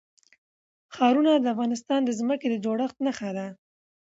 ښارونه د افغانستان د ځمکې د جوړښت نښه ده.